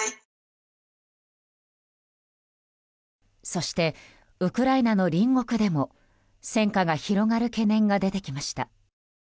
そして、ウクライナの隣国でも戦火が広がる懸念が出てきました。